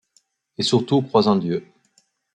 Et surtout crois en Dieu !